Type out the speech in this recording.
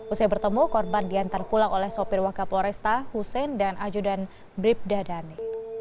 usia bertemu korban diantar pulang oleh sopir wakapolresta hussein dan ajudan bribdadani